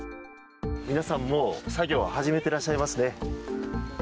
皆さん、もう作業を始めていらっしゃいますね。